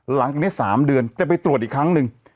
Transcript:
หลังจากนี้๓เดือนจะไปตรวจอีกครั้งหนึ่ง